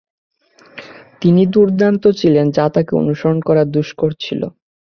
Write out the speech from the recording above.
তিনি দূর্দান্ত ছিলেন যা তাকে অনুকরণ করা দুষ্কর ছিল।